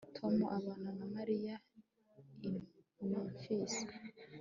Tom abana na Mariya i Memphis